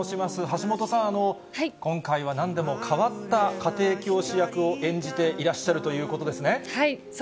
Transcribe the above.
橋本さん、今回はなんでも変わった家庭教師役を演じていらっしゃるというこそうですね。